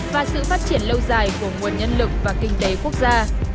và sự phát triển lâu dài của nguồn nhân lực và kinh tế quốc gia